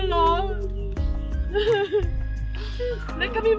วันที่สุดท้ายเกิดขึ้นเกิดขึ้น